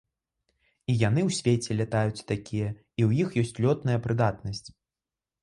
І яны ў свеце лятаюць такія, і ў іх ёсць лётная прыдатнасць.